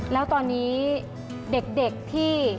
แล้วตอนนี้เด็กที่